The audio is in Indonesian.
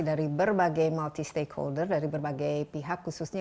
dari berbagai multi stakeholder dari berbagai pihak khususnya